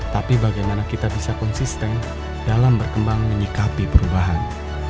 tapi bagaimana kita bisa konsisten dalam berkembang menyikapi perubahan